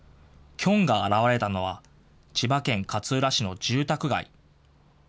キョンが現れたのは、千葉県勝浦市の住宅街。